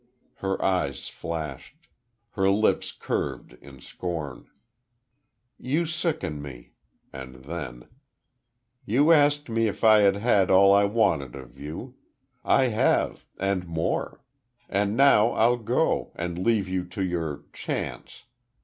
Her eyes flashed; her lips curved, in scorn. "You sicken me." And then: "You asked me if I had had all I wanted of you. I have, and more. And now I'll go, and leave you to your 'chance!'